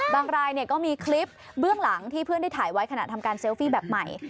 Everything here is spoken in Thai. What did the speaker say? รายก็มีคลิปเบื้องหลังที่เพื่อนได้ถ่ายไว้ขณะทำการเซลฟี่แบบใหม่